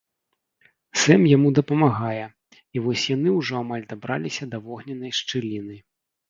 Сэм яму дапамагае, і вось яны ўжо амаль дабраліся да вогненнай шчыліны.